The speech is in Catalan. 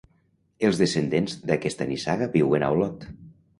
Els descendents d'aquesta nissaga viuen a Olot.